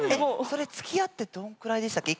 それつきあってどんくらいでしたっけ？